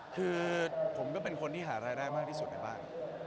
คือผมก็เป็นคนที่หารายได้มากที่สุดในบ้าน